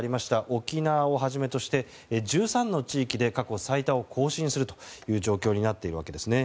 沖縄をはじめとして１３の地域で過去最多を更新する状況になっているわけですね。